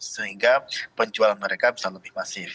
sehingga penjual mereka bisa lebih masif